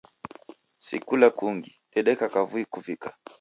Si kula kungi, dedeka kavui kuvika.